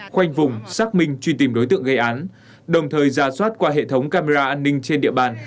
khoanh vùng xác minh truy tìm đối tượng gây án đồng thời ra soát qua hệ thống camera an ninh trên địa bàn